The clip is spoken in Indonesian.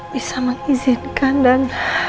bisa mengizinkan dan